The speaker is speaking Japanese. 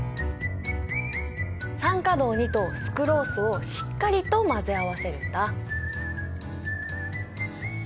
酸化銅とスクロースをしっかりと混ぜ合わせるんだ。